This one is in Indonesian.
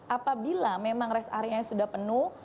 apabila memang res area sudah penuh